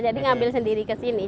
jadi ngambil sendiri ke sini